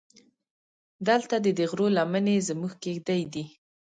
دلته دې د غرو لمنې زموږ کېږدۍ دي.